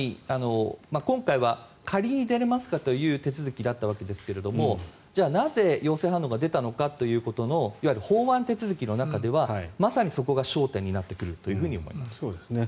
今回は仮に出れますという手続きだったわけですがじゃあ、なぜ陽性反応が出たのかということのいわゆる法案手続きの中ではまさにそこが焦点になってくると思います。